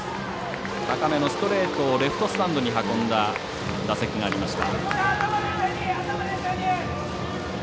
高めのストレートをレフトスタンドに運んだ打席がありました。